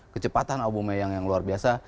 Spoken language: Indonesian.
kecepatan albumnya yang luar biasa